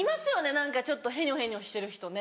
何かちょっとへにょへにょしてる人ね。